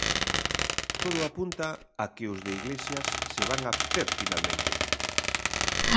Todo apunta a que os de Iglesias se van abster finalmente.